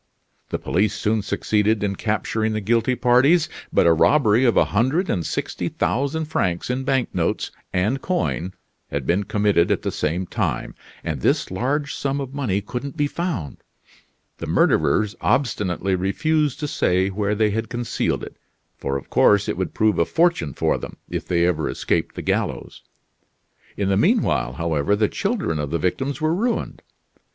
The police soon succeeded in capturing the guilty parties; but a robbery of a hundred and sixty thousand francs in bank notes and coin had been committed at the same time, and this large sum of money couldn't be found. The murderers obstinately refused to say where they had concealed it; for, of course, it would prove a fortune for them, if they ever escaped the gallows. In the mean while, however, the children of the victims were ruined.